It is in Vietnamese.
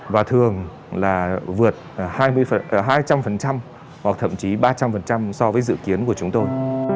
và thường là vượt hai trăm linh hoặc thậm chí ba trăm linh so với dự kiến của chúng tôi